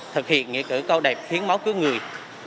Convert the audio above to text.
thực hiện nghĩa cử cao đẹp hiến máu cứu người